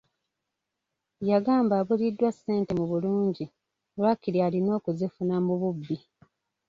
Yagamba abuliddwa ssente mu bulungi lwakiri alina okuzifuna mu bubbi.